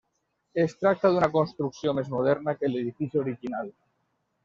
Es tracta d'una construcció més moderna que l'edifici original.